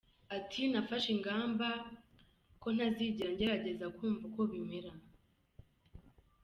Ati” Nafashe ingamba ko ntazigera ngerageza kumva uko bimera.